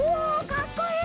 かっこいい！